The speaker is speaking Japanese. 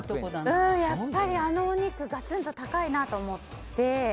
やっぱりあのお肉ガツンと高いなと思って。